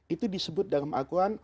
itu disebut dalam alquran